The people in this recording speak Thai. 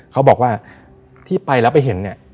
เขาบอกว่าที่ไปแล้วไปเห็นเนี่ย